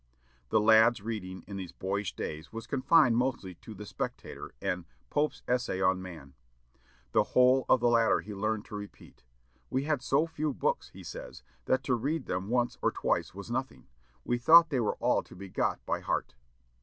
The lad's reading in these boyish days was confined mostly to the "Spectator," and Pope's "Essay on Man." The whole of the latter he learned to repeat. "We had so few books," he says, "that to read them once or twice was nothing. We thought they were all to be got by heart."